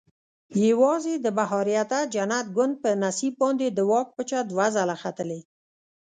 یوازې د بهاریته جنت ګوند په نصیب باندې د واک پچه دوه ځله ختلې.